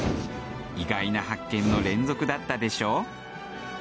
意外な発見の連続だったでしょ？